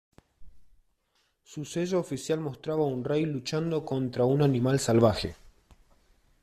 Su sello oficial mostraba a un rey luchando contra un animal salvaje.